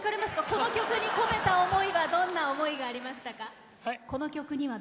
この曲に込めたどんな思いがありましたか？